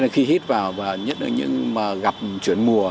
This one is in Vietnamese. khi hít vào và gặp chuyển mùa